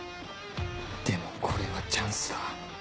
でもこれはチャンスだ